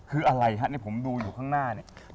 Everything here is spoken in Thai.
คืออะไรครับผมดูอยู่ข้างหน้าเนี่ย